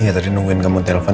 iya tadi nungguin kamu telepon